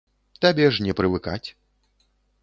Табе ж не прывыкаць.